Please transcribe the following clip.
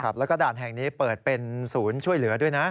แล้วก็ด่านแห่งนี้เปิดเป็นศูนย์ช่วยเหลือด้วยนะ